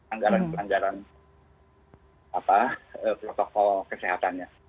anggaran pelanggaran protokol kesehatannya